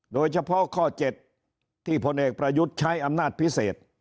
โดยเฉพาะข้อ๗ที่พลเอกประยุทธ์ใช้อำนาจพิเศษ